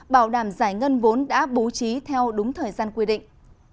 bảo đảm giải ngân vốn đã bố trí theo đúng thời gian quy định